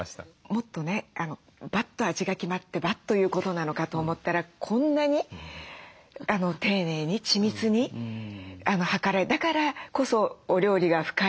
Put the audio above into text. もっとねバッと味が決まってバッということなのかと思ったらこんなに丁寧に緻密に量られだからこそお料理が深い。